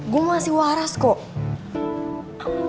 gue masih waras kok